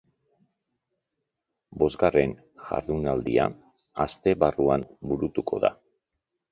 Bosgarren jardunaldia astebarruan burutuko da.